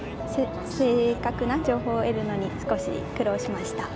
正確な情報を得るのに少し苦労しました。